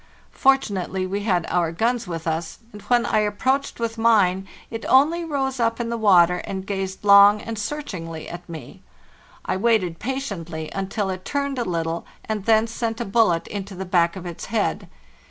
Fortu nately we had our guns with us, and when I approached with mine it only rose up in the water and gazed long and searchingly at me. I waited patiently until it turned a little, and then sent a bullet into the back of its head.